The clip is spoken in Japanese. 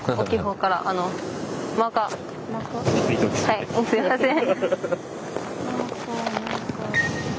はいすいません。